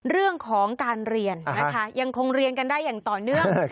เรื่องของการเรียนนะคะยังคงเรียนกันได้อย่างต่อเนื่อง